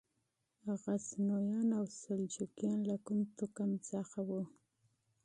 غزنویان او سلجوقیان له کوم توکم څخه وو؟